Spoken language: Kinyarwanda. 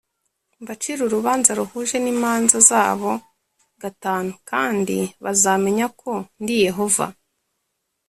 Mbacire urubanza ruhuje n imanza zabo v kandi bazamenya ko ndi yehova